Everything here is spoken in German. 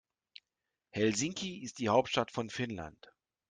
Helsinki ist die Hauptstadt von Finnland.